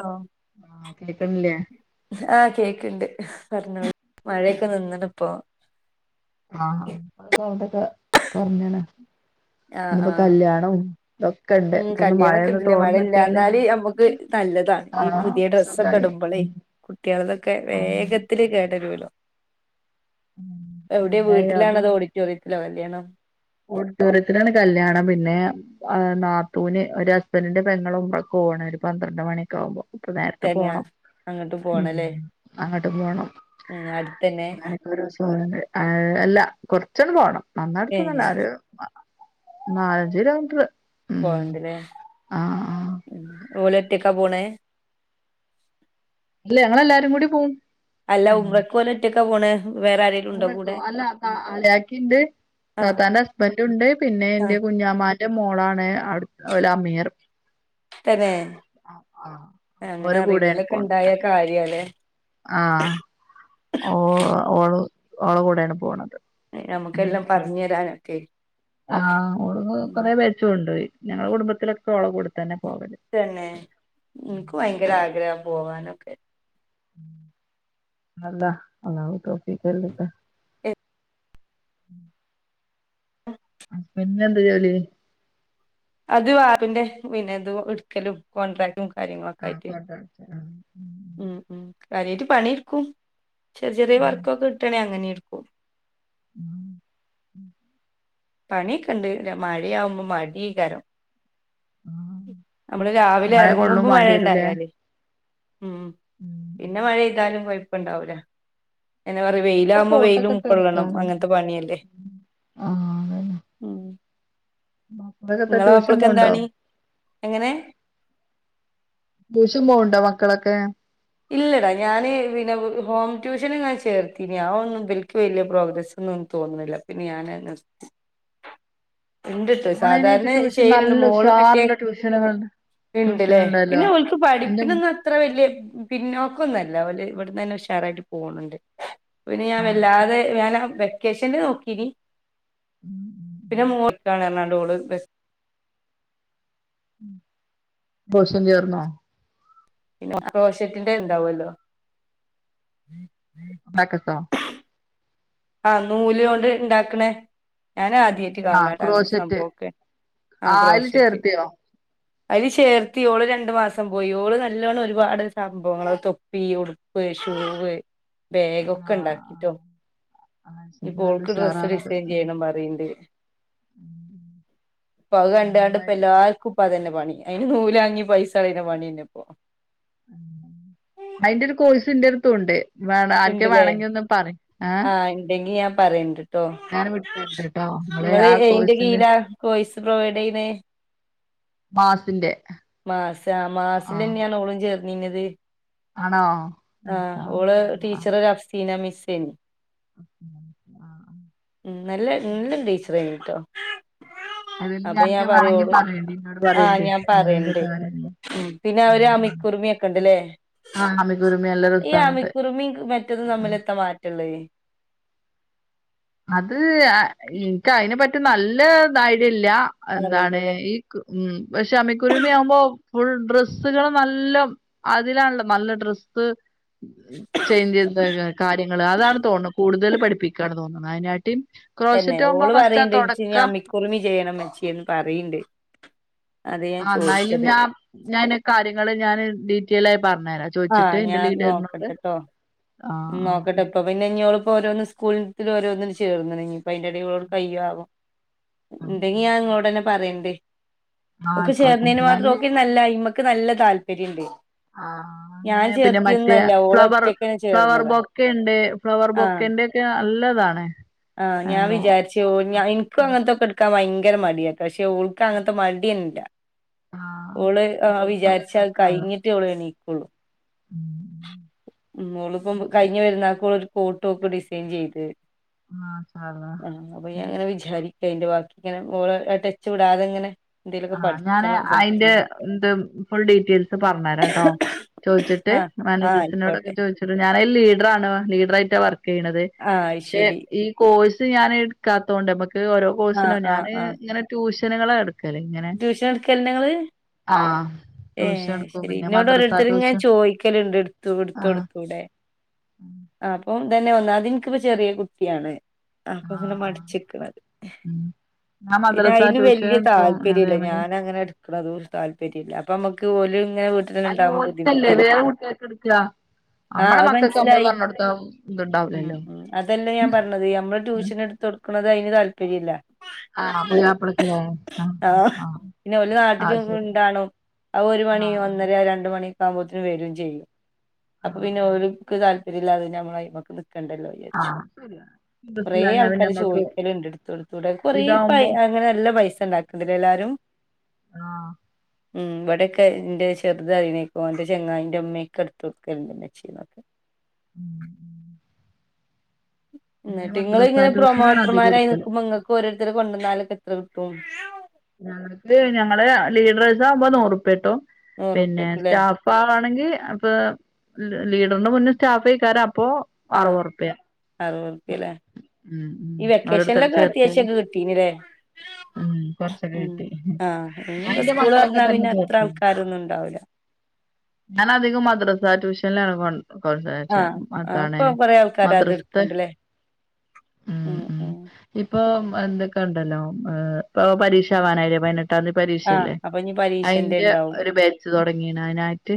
ആഹ് കേക്ക്ണില്ലേ ആഹ് കേക്ക് ണ്ട് പർ ഞ്ഞ മഴക്കെ നിന്നണ് പ്പോ ആഹ് സൗണ്ടോക്ക കോർഞ്ണ് ആഹ് ആഹ് ഇതൊക്കെ ഉണ്ട് ഉം ഇപ്പൊ ഒന്ന് കല്യാണംക്ക് മഴയൊന്ന് ല്ലേ മഴ തോർന്ന് ഇല്ലാ കിട്ടിയാല് ന്നാല് എമ്മക്ക് തല്ലതാ ഈ ആഹ് പുതിയ ഡ്രസ്സൊക്ക സുഖായി ടുമ്പളേ കുട്ട്യാ ൾ തൊക്കെ ആഹ് വേഗത്തി തില് കേട്ടരുവല്ലോ എവ് ടെ മഴയായ വീട്ടിലാണത് അതും ഓഡിറ്റോറിയത്തിലോ കല്യാണം ഓഡിറ്റോറിയത്തിലാണ് കല്യാണം പിന്നെ ആഹ് നാത്തൂന് ഒരു ഹസ്ബന്റ്ന്റെ പെങ്ങളും ബ്ര ക്കൊ വാണ് ഒരു പന്ത്രണ്ട് മണി ക്കാഉ മ്പ പ്പ നേര് ത്ത തന്നെയാ പോണം അങ്ങട്ട് ഹും അങ്ങട്ട് പോണം ഹ് ഹ് അടുത്തന്നെ ഓ രോസം ഓരോന്ന് ആഹ് അല്ല കൊർ ച്ചന്ന് പോണം നന്നായിടത്തന്നല്ല ഏഹ് ഒരു മ മാഹ് ജി രാമ് റ്റ്ർ പോആ ണ്ട് ലേ ആഹ് ഓലറ്റ് ക്കാ പോണ് ഇല്ല ഞങ്ങളെല്ലാരും കൂടി പോഉം അല്ല ഉംറക്ക് ഓലെറ്റൊക്ക പോണ് വേറാരേം ഉംറക്കോ അല്ല താ ആ ളേക്കിണ്ട് ആഹ് താത്താന്റെ ഹസ്ബന്റുണ്ട് പിന്നെ ആഹ് എന്റെ കുഞ്ഞാമാ ന്റെ മോളാണ് അവ്ടു ഓല അമീറ് തന്നെ അങ്ങനെ ഓരെ കൂടെയാണ് അറീണോലക്ക പോണത് ണ്ടായ അങ്ങനെ കാര്യാ ലെ ആഹ് ഓഹ് ഓള് ഓള കൂടെയാണ് പോണത് അയ്ന മ്മക്കെല്ലാം പർഞ്ഞ് രാനൊക്കെ ആഹ് ഓള് ന്ന് കൊറെേ ബേച്ചോണ്ടേ യി ഞങ്ങള കുടുംബത്തിലൊക്ക ഓള കൂട ത്തന്നെ പോവല് തന്നെ ഇൻക്ക് വയ്ങ്കര ആഗ്രഹം പോവാനൊക്കെ ന്നല്ല അല്ലാഹു തൗഫീഖ് നൽകട്ട ആഹ് ഹസ്ബൻഡ് നന്താ ജോലി അത് വാപ്പിന്റെ പിന്നെത് വ ഇട്ക്കലും കോൺട്രാക്ടും കാര്യങ്ങളൊക്ക ആഹ് ആയിട്ട് കോൺട്രാക്ടർ ഉം ഉം കാര്യായിട്ട് പണിട്ക്കും ചെറി ചെറിയ ഉം വർക്കൊക്കെ കിട്ടാണെ അങ്ങനെ എടുക്കും ഉം ഉം പണിക്കെണ്ട് മഴയാവുമ്പോ മടി ആയിക്കാരം നമ്മള് രാവിലെ മഴ കൊള്ളും എറങ്ങുമ്പോ മഴ വാണ്ടിയേരൂലേ ഇണ്ടായാലെ ഉം ഉം പിന്നെ മഴ പെയ്താലും കൊയപ്പണ്ടാവൂലാ എന്നാ പറി ഇപ്പൊ വെയിലാവുമ്പോ കോട്ടൊക്കെ വെയിലും ഇട്ട് കൊള്ളണം നടക്കാണ് അങ്ങൻത്തെ പണിയല്ലേ ആഹ് അതന്നെ ഉം മക്കളൊക്കെത്താ ഇങ്ങളെ ട്യൂഷൻ മാപ്പളക്ക് എന്താ പോണ്ടോ പണി എങ്ങനെ? ട്യൂഷൻ പോകുന്നുഉണ്ടോ മക്കളൊക്കെ ഇല്ലടാ ഞാന് പിന്നെ ഹോം ട്യൂഷന് ഞാൻ ചേർത്തീന് ആ ഒന്നും ഇവൽക്ക് വെല്യ പ്രോഗ്രസ്സ് ന്നും തോന്നുന്നില്ല പിന്നെ ഞാനത് നിർത്തി [unintelligible] ഇണ്ടിട്ടാ ഓൺലൈനായിട്ട് സാധാരണ ട്യൂഷൻ ചെയ്യല്ണ്ട് നല്ല മോള് മറ്റെ ഉഷാറുള്ള ട്യൂഷനുകളുണ്ട് ട്യൂഷൻ ഇണ്ട്ല്ലേ ഉണ്ടല്ലോ പിന്നെ ഓൽക്ക് എന്റെ മ് പഠിപ്പിനൊന്നും അത്ര വെല്യ പിന്നോക്കൊന്നും അല്ല ഓല് ഇവിടെന്നെന്നെ ഉഷാറായിട്ട് പോണ് ണ്ട് ഓല് പിന്നെ ഞാൻ വല്ലാതെ ഞാനാ വെക്കേഷൻ്റെ നോക്കീനി പിന്നെ മോൾക് ആണ് പറഞ്ഞാണ്ട് ഓള് വെക്ക് ഉം കോഴ്‌സിന് ചേർന്നോ? പിന്നെ [unintelligible] ഇണ്ടാവല്ലോ മം [unintelligible] ആഹ് നൂല് കൊണ്ട് ഇണ്ടാക്കണേ ഞാനു ആദ്യാ ആഹ് ക്രോശെറ്റ് ആഹ് അയില് ചേർത്തിയോ? അയില് ചേർത്തി ഓള് രണ്ടു മാസം പോയി ഓള് നല്ലവണ്ണം ഒരുപാട് സംഭവങ്ങളൊക്ക് തൊപ്പ് പ്പി ഉടുപ്പ് ഷൂവ് ആഹ് ബേഗൊക്കെ ഇണ്ടാക്കിട്ടോ ആഹ് ആഹ് ശരി ഇനിപ്പോ നല്ല ഓൾക്ക് ഡ്രസ്സ് ഉഷാറാണത് ഡിസൈൻ ചെയ്യണം പറയ്ണ്ട് ഇപ്പൊ അത് കണ്ട് കാണ്ട് ഇപ്പോ അതേമാതിരി എല്ലാർക്കും ഇപ്പ അതന്നെ പണി അയിന് നൂലാങ്ങി പൈസ കളയണ പണിയെന്നെ ഇപ്പൊ ഉം ഉം അയിന്റെ ഒരു കോഴ്സിന്റെടുത്തുണ്ട് വേണാ ആർക്കെ ഇണ്ട്ല്ലേ വേണെങ്കി ഒന്ന് പറയ് ആഹ് ഇണ്ടെങ്കി ഞാൻ ഞാന് വിട്ടരണ്ട് ട്ടോ നിങ്ങള് ഇങ്ങള് ആ എയിന്റെ കോഴ്സിന് കീയിലാ കോയ്സ് പ്രൊവൈഡ് ചെയ്യണ് മാസിന്റെ മാസ് ആഹ് ആഹ് മാസിലെന്നെയാണ് ഓളും ചേർന്നീനിയത് ആണോ? ആഹ് ഓള് ടീച്ചറ് ഒര് അഫ്സീന മിസ്സേനി ഉം നല്ല നല്ല ടീച്ചറേനീട്ടോ ഏതായാലും ഇനി ആർക്കേലും വേണെങ്കി ഓള് പറയേണ്ടി ഇന്നോട് പറയേണ്ടി ഞാനതിൻ്റെ [unintelligible] ഉം പിന്നെ ഒര് അമിക്കുറിമിയൊക്കെ ഇണ്ട് ല്ലേ ആഹ് അമി ക്കുറുമി എല്ലതും ഈ അമിക്കുറുമി മറ്റതും തമ്മിലെന്താ മാറ്റള്ളേ അത് അ ഇനിക്ക് അയിനെ പറ്റി നല്ല ഐഡിയല്ല എന്താണ് അറിയില്ലല്ലേ ഈ ക്ക് ഉം പക്ഷെ അമ്മിക്കുരുമി ആവുമ്പോ ഫുൾ ഡ്രെസ്സുകള് നല്ലോം അതിലാണല്ലോ നല്ല ഡ്രെസ്സ് [unintelligible] കാര്യങ്ങള് അതാണ് തോണണ് കൂടുതല് പഠിപ്പിക്കാന്ന് തോന്നണ് അയിനാട്ടിം തെന്നെ ഓള് പറയണ്ട് ഇനിച്ചിനി അമിക്കുറമി ചെയ്യണം ഉമ്മച്ചിയേന്ന് പറയണ്ട് അത് ഞാൻ ആഹ് എന്നാ അയില് ചോദിച്ചത് [unintelligible] ഞാന് കാര്യങ്ങള് ഞാന് ഡീറ്റെയിൽ ആയി പറഞ്ഞെരാ ആഹ് ചോയിച്ചിട്ട് ഇന്റെ ലിഡറിനോട് ഉം നോക്കട്ടെ ഇപ്പൊ പിന്നെ ഇനി ഓള് ഇപ്പോ ഓരോന്ന് സ്കൂളിൽത്തെ ഓരോന്നിന് ചേർന്ന്ണ് ഇനി ഇപ്പോ അതിന്റെ എടേല് ഓൾക്ക് കയ്യോ ആവോ ആ ഇണ്ടെങ്കി ഞാൻ ഇങ്ങളോടെന്നെ പറയ്ണ്ട് ആ, ഒക് ആയിക്കോട്ടെ ചേർന്നേന് മാത്രം നോക്കി ഞാൻ നല്ല ഐമക്ക് നല്ല താല്പര്യംണ്ട് ആഹ അങ്ങനെ പിന്നെ മറ്റേ ഓള് ഫ്ലവർ ഒറ്റക്കന്നെ ഫ്ലവർ ചേർന്നതാ ബൊക്ക ഉണ്ട് ഫ്ലവർ ആഹ് ബൊക്കന്റെ ഒക്കെ നല്ലതാണ് ആഹ് ഞാൻ എന്താ വിചാരിച്ചു യോ ഇൻക് അങ്ങനത്തെക്കെ എടുക്കാൻ ഭയങ്കര മടിയക്കെ പക്ഷെ ഓൾക്ക് അങ്ങനത്തെ മടിയന്നല്ല ആഹ് ഓള് ആഹ ചിലർക്കൊരു വിചാരിച്ച ത് ഇൻട്രസ്റ്റ് ആണല്ലോ കഴിഞ്ഞിട്ട് ഓള് എണീക്കുള്ളു [unintelligible] ഉ ഓളിപ്പം കഴിഞ്ഞ പെരുന്നാക് ഒരു കോട്ട് ഒക്ക്‌ ഡിസൈൻ ചെയ്ത് മാഷാ അല്ലാഹ് ആഹ് അപ്പൊ ഞാൻ ഇങ്ങനെ വിചാരി കെയിൻറ് വർക്ക് ഇങ്ങെഓ ടച്ചച്ച് വിടാതെ ഇങ്ങനെ എന്തേലൊക്കെ ആഹ ഞാാന് പഠിച്ചണം അയിന്റെ പഠിച്ചണംന്നൊക്കെ എന്ത് ഫുൾ ഡീറ്റെയിൽസ് പറഞ്ഞുരാട്ടോ ചോയിച്ചിട്ട് ആഹ് ആഹ് മാനേജോടൊക്കെ ആയിക്കോട്ടെ ചോദിച്ചി ഞാന ലീഡറാണ് ലീഡർായിട്ട് വർക്ക് ചെയ്യണത് ആഹ് അത് പക്ഷെ ശരി ഈ കോഴ്സ് ഞാൻ എടുക്കാത്തത് കൊണ്ട് നമ്മക്ക് ഓരോ കോഴ്സിനോ ആഹ് ആഹ് ഞാന് ആഹ് ഇങ്ങനെ ട്യൂഷനുകളെ എടു ട്യൂഷൻ എടുക്കല്ണ്ടോങ്ങള് ആഹ ഏ ശെരി ഇന്നോട് ഓരോരുത്തരങ്ങനെ ചോദിക്കലുണ്ട് എടുത്തു എടുത്തു ആഹ് കൂടെ ആ അപ്പം തന്നെ ഒന്നാമതനിക്കിപ്പോ ചെറിയ കുട്ടിയാണ് ആപ്പൊ അങ്ങനെ ആഹ് ആഹ് മടിച്ചെക്കണത് ഉം ഞാൻ പിന്നെ മദ്രസ അതിന് ട്യൂഷൻ വല്യ എടുക്കും പിന്നെ താല്പര്യ ഇല്ല അതേമാതിരി ഞാൻ ങ്ങനെ എടുക്കണത് താല്പര്യമല്ല അപ്പൊ നമുക്ക് ഓല് ഇങ്ങനെ വീട്ട അന് ഓർത്തല്ലേ വേറെ കൂട്ടികൊക്കെ എടുക്ക ആഹ അത് മനസ്സിലായി ഉ ഇത്ണ്ടാവൂലല്ലോ ഉ അതല്ലേ ഞാൻ പറഞ്ഞത് നമ്മള് ട്യൂഷൻ എടുത് കൊടു കക്കത് അതിന് താല്പര്യം ഇില്ല ആഹ് പുതിയപ്പക്കളെയേ ആഹ് പിന്നെ ഒരു നാട്ടില ശരി ഇണ്ടാണും ആ ഒരു മണി ആഹ് ആഹ് ഒന്നര രണ്ട മണി സഭവത്തിനന് വരും ചെയ്യും അപ്പൊ ആഹ് പിന്നെ ഒരുക്ക് താല്പര്യമല്ലാതെ നമ്മള്മക്ക് നിക്കക്കണ്ടല്ലോ ആഹ് അത് ശരിയാ കൊറെേ മദ്രസയില്ലാഞ്ഞാ പിന്നെ ആൾക്കാര് നമ്മക്ക് ചോദിക്കല ണ്ട്ടുത്തടുത്തൂടെ കൊറെേ പ ഇതാവുമ്പോ അങ്ങനെ നല്ല പൈസ ഉണ്ടാക്ക തി എല്ലാരും ആഹ ഉം ഇവിടെക്കെ എന്റെ ചെറുത അറിനേക്കോ ഓന്റെ ചങ്ങ എന്റെറെമ്മയൊക്കെ എടുത്ത് കൊടുക്കരുണ്ട്ന്നെച്ച്യന്നൊക്കെ [unintelligible] അങ്ങനെ ന്നിട്ട് ഇങ്ങൾ മദ്രസ ഇങ്ങനെ ട്യൂഷനാണ് അധികം പ്രൊമോട്ടർമാരായി എടുക്കല് നിൽക്കുമ്പോ നിങ്ങൾക്ക് ഓരോരുത്തർ കൊണ്ടുവന്നാലൊക്കെ എത്ര കിട്ടും ഞങ്ങക് ഞങ്ങളെ ലീഡറത് ആകുമ്പോ നുറുപ്പിയ കിട്ടും നൂറുപ്യ പിന്നെ കിട്ടൂല്ലേ സ്റ്റാഫ് പവാണെങ്കി അപ്പ ലീഡറിന്റെ മുന്നേ സ്റ്റാഫെകാരം അപ്പൊ അറുപറുപ്യ ആഹ [unintelligible] ഉം ഉം ഈ ഓരോരുത്തരെ വെക്കേഷനിലൊക്കെ ചേർത്തിയാല് അത്യാവശ്യക്കെ കിട്ടീനല്ലേ ഉം കൊറച്ചൊക്കെ ഉ കിട്ടി ആഹ് ഞാൻ ഞ്പ്പോ എന്റെ സ്കൂള് മക്കളൊക്കെ തുറന്നാ തന്നെ പിന്നെ അത്ര ചേർത്തി ആൾക്കാര ഒന്നും ഉണ്ടാവൂില്ല ഞാൻ അധികം മദ്രസാ ട്യൂഷനിലാണ് കൊണ്ട് ആഹ ആ അപ്പൊ കൊറെേ ആൾക്കാര അത് മദ്രസത്തെ എടുക്കണ്ടല്ലേ ഉ ഉം ഉം ഉ ഇപ്പൊ എന്തൊക്കെ ഉണ്ടല്ലോ ഇപ്പ പരക്ഷവാനായില്ല പതിനെട്ടു [unintelligible] ആഹ് പരീക്ഷല്ലേ അപ്പൊ ഇനി പരീക്ഷന്റെ അയിന്റെ ഉണ്ടാവും ഒരു ബാച് തുടങ്ങിയാണ് അതിനായിട്ട്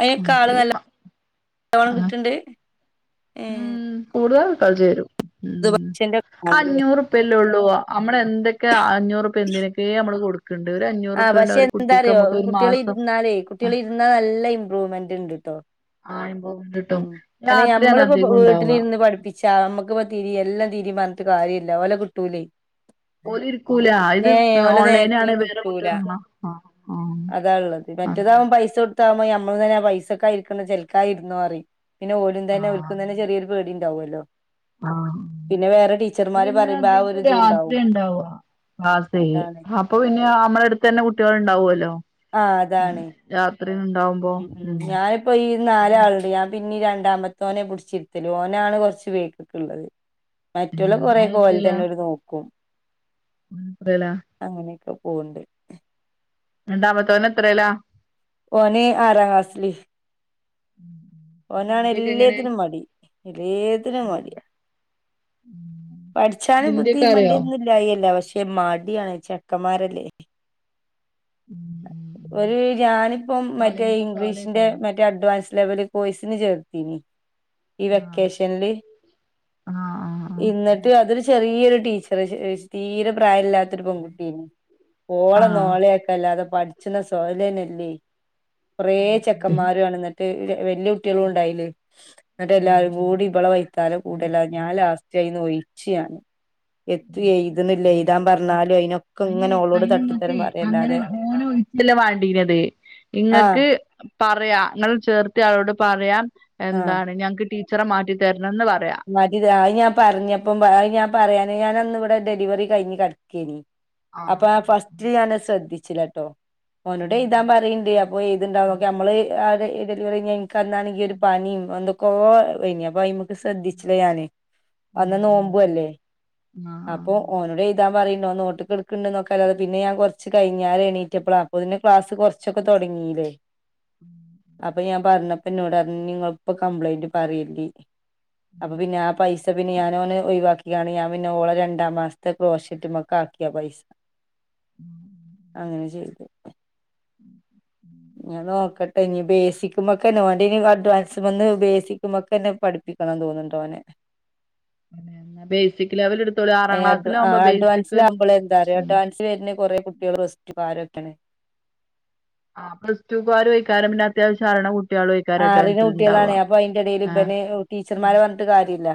അയിനൊക്കെ ആള് ഈ നല്ലോണം ആ കിട്ട്‌ണ്ട് ഉ കൂടുതൽകുട്ട്യാൾ ചേരും മ്മ് പക്ഷേന്റെ അഞ്ഞൂറ് ഇപ്പല്ലേ ഉള്ളൂ നമ്മള് എന്തൊക്ക അഞ്ഞൂറ്പ്പ എന്തിനൊക്കെ നമ്മള് കൊടുക്കും [unintelligible] ആഹ പക്ഷെ എന്താറിയോ കുട്ടികൾ ഇരുന്നാലേ കുട്ടികള ഇരുന്നാൽ നല്ല ഇമ്പ്രൂവ്മെന്റ് ഉണ്ട് കേട്ടോ [unintelligible] നമ്മളിപ്പോ ഉണ്ടാവുക വീട്ടിലിരുന്ന് പഠിപ്പിച്ചാ നമ്മുക്കിപ്പ തിരി എല്ലാം തിരിപറഞ്ഞിട്ട് കാര്യമില്ല ഓലെ കുട്ടൂലേ ഓല് ഇരിക്കൂല ഇത് ഏ യെ ഓലെ ഓൺലൈനാണ് നേരത്തിന് വേറെ കിട്ടൂല കുട്ടികളാണോ ആഹ് അതാള്ളത് ആഹ് അതെ മറ്റതാവും പൈസ നമ്മ തന്നെ പൈസൊക്കെയിരിക്കുന്ന ചെൽക്കായിരുന്നോറിം പിന്നെ ഓലും തന്നെ ആഹ് ഒരിക്കക്കും തന്നെറൊരു പേടിണ്ടാവല്ലോ ആഹ് പിന്നെ വേറെ ഇത് ടീച്ചർമാര് പിന്നെ പറയുമ്പോ ആ ഒരു ഇതുണ്ടാവും ആഹ് [unintelligible] അപ്പൊ പിന്നെ ആഹ് നമ്മളട്ത്തന്നെ കുട്ടിയള് ഇണ്ടാവല്ലോ ആഹ് അതാണ് രാത്രിയുണ്ടാവും ഉം ഉം ഞാന്പ്പ ഈ നാലാള്ടെയാ പിന്നീ രണ്ടാമത്തോനേ പുട്ച്ചിരിത്തല് ഓനാണ് കൊറച്ച് വേക്ക്ക്ക്ള്ളത് മറ്റോല് ഓൻ കൊറെയൊക്കെ ഓല്ത്തന്നെ ഓര്നോക്കും എത്രേല്ലാ അങ്ങനെയൊക്കെ പോവ്ണ്ട് രണ്ടാമത്തോന് എത്രേല്ലാ ഓന് ആറാ ക്ലാസ്സില് ഓനാണെ ഹിന്ദിയൊക്കെ എങ്ങനെ എല്ല്യേത്തിനും മടി ഇല്ലേ ഏതിനും മടി പഠ്ച്ചാനും ഹിന്ദിയൊക്കെ ബുദ്ധീയിം അറിയോ മണ്ടേം ഒന്നു ല്ലായിയേല്ല പക്ഷേ മടിയാണ് ചെക്കന്മാരല്ലേ [unintelligible] ഒര് ഞാന്പ്പം മറ്റേ കളിമ്പ് ഇംഗ്ലീഷിന്റെ സോലയ്ക്കാരം മറ്റേ അഡ്വാൻസ് ലെവല് കോഴ്സ്ന് ചേർത്തീനി ഈ ആഹ് വെക്കേഷന്ല് ആഹ് ഇന്നെ ത് അതൊര് ചെറിയൊരു ടീച്ചറ് ചെ ഏഹ് തീരെ പ്രായല്ലാത്ത ഒരു പെൺകുട്ടിയേനി ആഹ് ഓളെ ആഹ് നോളയാക്കല്ലാതെ പഠിച്ച്ന്ന സൊയ്ലെനല്ലേ കൊറെ ആഹ് അത് ശരി ചെക്കന്മാര് വന്ന് നിന്ന്ട്ട് ഇല്ല്യ വെല്ല്യകുട്ടിയളും ഉണ്ടയില് ഇന്ന്ട്ടെല്ലാരും ആഹ് ആഹ് കൂടി ഇവളെ വെയ്താലെ കൂടലാ ഞാൻ ലാസ്റ്റയിന്ന് ഒയിച്ച് ഞാന് എത്തും എഴ്ത്ണില്ല എഴുതാ പറ്ഞ്ഞാലും അയിനൊക്ക അയിന് ഇങ്ങനെ ഓളോട് അയിന് ഇങ്ങക്ക് തട്ടുത്തരം അങ്ങനെ പറയല്ലാതെ ഓനെ ഒഴിച്ചല്ലാ വാണ്ടീനത് ആഹ് ഇങ്ങക്ക് അ പറയാ ഇങ്ങളെ ചേർത്ത്യാളോട് പറയാ ആഹ് എന്താണ് ഞങ്ങ്ക്ക് ടീച്ചറെ മാറ്റിത്തരണന്ന് പറയാ മാറ്റിതരാ ആഹ് അയിന് ഞാൻ പറ്ഞ്ഞപ്പം പ അയിന് ഞാൻ പറയാന് ഞാനന്ന് ഇവടെ ഡെലിവറി കഴിഞ്ഞ് കട്ക്കേനി അപ്പ ആഹ് ഫസ്റ്റ് ഞാന് ശ്രദ്ധിച്ചില്ലാട്ടോ ഉം ഓനോടെയ്താപറിയിണ്ട് അപ്പൊ ഉം ഏഴുതുണ്ടാവോക്കി അമ്മള് അത് ഇത് ഡെലിവറി കഴിഞ്ഞ് ക്കന്നാണെങ്കി ഒരു ഉം പനിം എന്തൊക്കോ ഏനി അപ്പ അയ്മക്ക് ശ്രദ്ധിച്ചില്ല ഞാന് ഉം അന്ന് ഉം ഉം നോമ്പുവല്ലേ ആഹ് അപ്പൊ ഓനോട് ഏഴ്താ പറിയിണ്ട് ഓന് നോട്ടുക്ക് ഇടുക്ക്ണ്ട് നോക്കല്ലാതെ പിന്നെ ഞാൻ കൊറച്ച് കഴിഞ്ഞാരെ ഏണിറ്റപ്ലാ അപ്പോതിന് ക്ലാസ്സ് കൊറ്ച്ചൊക്കെ തൊടങ്ങിയില്ലേ അപ്പൊ ഞാൻ പറ്ഞ്ഞപ്പോ ഇന്നോടർഞ്ഞ് ഇഞ്ഞ് ഇങ്ങള് ഇപ്പ കംപ്ലയിന്റ് പറയില്ലി അപ്പൊ പിന്നെ ആ പൈസ പിന്നെ ഞാന് ഓനെ ഒഴിവാക്കിയാണ് ഞാൻ പിന്നെ ഓളെ രണ്ടാം മാസത്തേ ക്രോഷ്യറ്റ്മെക്കാക്കിയാ പൈ സ ആഹ് അങ്ങനെ ചെയ്തു [unintelligible] ഞാൻ നോക്കട്ടെ ഇഞ്ഞ് ബേസിക്ക്‌മെക്കന്നെ ഓന്റേനിം കാട്ടി വയസ്സ്മന്ന് ബേസിക്ക്‌മേക്കെന്നെ പഠിപ്പി ക്കണം തോന്ന്ണ്ട് ഓനെ അങ്ങനെയാണന്നാ ബേസിക്ക് ലെവൽ എടു ആഹ് ഈ അഡ്വാ ആഹ് അഡ്വാൻസിലാവുമ്പളേ എന്താറിയോ ഉം അഡ്വാൻസ് വെര്ന്ന കൊറേ കുട്ടിയാള് പ്ലസ് ടുക്കാരോക്കേണ് ആഹ് പ്ലസ് ടുക്കാരുയേക്കാരം പിന്നെ അത്യാവശ്യം അറിയ്ണ കു ആഹ് അറിയ്ണ കുട്ടിയാളാണെ അപ്പൊ അയിന്റെ എടേല് ആഹ് ഇബന് ഓഹ് ടീച്ചർമാര് പറഞ്ഞിട്ട് കാര്യല്ല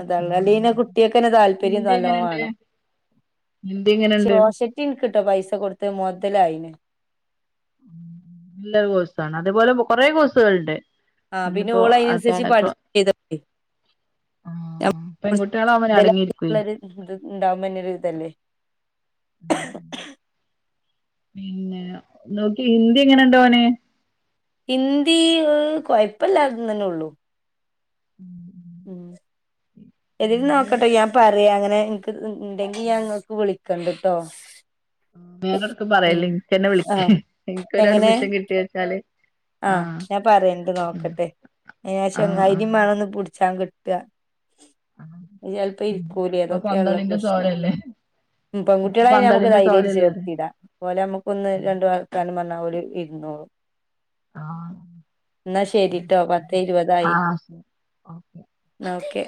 അതാള്ളെ അല്ലേ പിന്നെ കുട്ടിയാക്കന്നേ താല്പര്യം ഹിന്ദി നല്ലോം എങ്ങനെണ്ട് വാണം ഹിന്ദി എങ്ങനെണ്ട് ഇന്ക്ക്ട്ടോ പൈസ കൊടുത്തെ മൊതലായീണ് നല്ല കോഴ്‌സ്സാണ് അതെപോലെ പൊ കൊറേ കോഴ്സ്കള്ണ്ട് ആഹ് പിന്നെ ഇഞ്ഞ്പ്പോ ഓള് അയിനനുസരിച്ച് അതാണ്പ്പോ പഠിച്ച് ചെയ്തപ്പളേ ആഹ് പെൺകുട്ടിയളാവുമ്പം പിന്നെ അടങ്ങിയിരുക്കെ ള്ളര് ഇത് ഇണ്ടാവുമ്പന്നെ ഒര് ഇതല്ലേ [unintelligible] പിന്നേ നോക്കി ഹിന്ദി എങ്ങനെണ്ടോന് ഹിന്ദി. ഇഹ് കൊഴപ്പല്ലാ ന്നെനെ ഒള്ളു [unintelligible] ഉം. ഏതായാലും ഹിന്ദിയും നോക്കട്ടെ, ഞാൻ പറയാ, അങ്ങനെ ഇൻക്ക് ണ്ടെങ്കി ഞാൻങ്ങക്ക് വിളി ക്കണ്ട്ട്ടോ വേറെഔട്ക്കും പറയല്ലി, ഇൻക്കെന്നെ വിളിക്ക്, ആഹ് എങ്ങനെ ഇൻക്കൊരഡ്മിഷൻ കിട്ടി വെച്ചാല് ആഹ് ഞാൻ പറ്യണ്ട്. നോക്കട്ടെ അയിന് ആഹ് ചങ്ങായിനിം ആഹ് മാണൊന്ന് പുട് ച്ചൻ കിട്ട. ആഹ് ചിലപ്പോ ഉം ഇരിക്കൂലേ ഇപ്പൊ അതൊക്കെയുള്ള പന്തളിന്റെ പ്രശ്നം. ചോലല്ലേ ഇപ്പൊ പെൺകുട്ട്യാളായ ഞമ്മക്ക് പന്തളിന്റെ ധൈര്യായിട്ട് ചോലല്ലേ പറയാ ചേർത്തിടാ ഓലെഞമ്മക്കൊന്ന് രണ്ടു വർത്താനം പർഞ്ഞാ ഓല് ഇര്ന്നോളും ആഹ് ന്നാ ശരിട്ടോ കട് ആഹ് ഓ ക്കെ ഓക്കെ